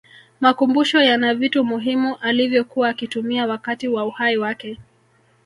makumbusho yana vitu muhimu alivyokuwa akitumia wakati wa uhai wake